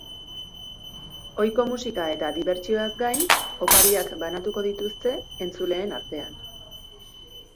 Ohiko musika eta dibertsioaz gain, opariak banatuko dituzte entzuleen artean.